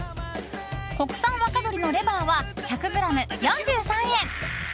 国産若鶏のレバーは１００ｇ４３円！